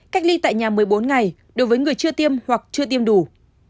cách ly tại nhà một mươi bốn ngày đối với người chưa tiêm hoặc chưa tiêm đủ